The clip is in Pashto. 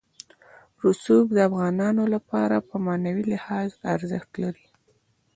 رسوب د افغانانو لپاره په معنوي لحاظ ارزښت لري.